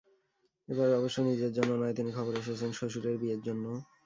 এবার অবশ্য নিজের জন্য নয়, তিনি খবরে এসেছেন শ্বশুরের বিয়ের জন্য।